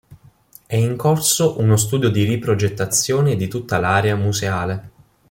È in corso uno studio di riprogettazione di tutta l'area museale.